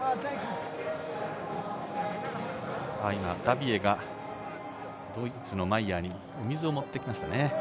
今、ダビエがドイツのマイヤーにお水を持ってきましたね。